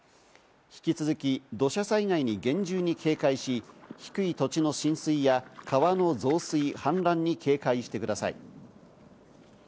引き続き、土砂災害に厳重に警戒し、低い土地の浸水や川の増水、はん濫に警戒してください。